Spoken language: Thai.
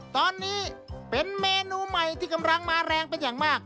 ตอนนี้เป็นเมนูใหม่ที่กำลังมาแรงเป็นอย่างมาก